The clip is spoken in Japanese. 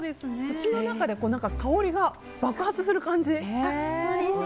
口の中で香りが爆発する感じ。